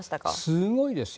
すごいですよ。